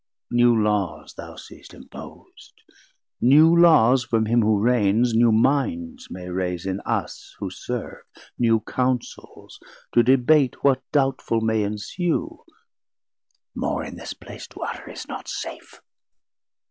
new Laws thou seest impos'd; New Laws from him who reigns, new minds may raise In us who serve, new Counsels, to debate What doubtful may ensue, more in this place To utter is not safe.